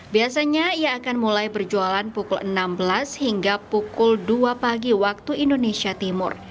biasanya ia akan mulai berjualan pukul enam belas hingga pukul dua pagi waktu indonesia timur